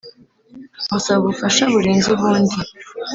nkusaba ubufasha burenze ubundi